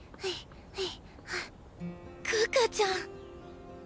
可可ちゃん。